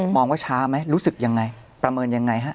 มองว่าช้าไหมรู้สึกยังไงประเมินยังไงฮะ